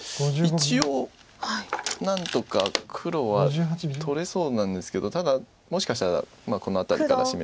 一応何とか黒は取れそうなんですけどただもしかしたらこの辺りから。